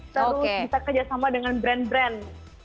terus bisa kerjasama dengan brand brand